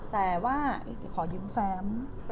แต่ว่าอย่าขอยืมแฟม